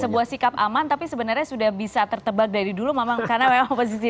sebuah sikap aman tapi sebenarnya sudah bisa tertebak dari dulu memang karena memang posisi